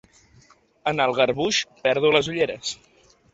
En el garbuix perdo les ulleres.